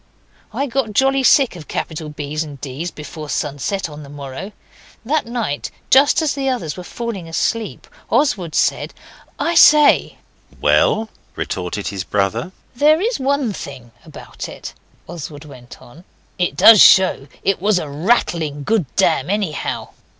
I got jolly sick of capital B's and D's before sunset on the morrow. That night, just as the others were falling asleep, Oswald said 'I say.' 'Well,' retorted his brother. 'There is one thing about it,' Oswald went on, 'it does show it was a rattling good dam anyhow.